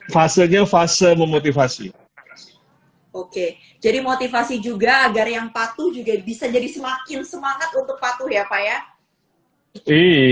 fasenya fase memotivasi oke jadi motivasi juga agar yang patuh juga bisa jadi semakin semangat